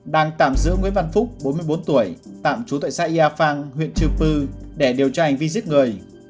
đang tạm giữ nguyễn văn phúc bốn mươi bốn tuổi tạm trú tại xã yà phang huyện trừ pư để điều tra hành vi giết người